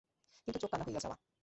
কিন্তু চোখ কানা হইয়া যাওয়া!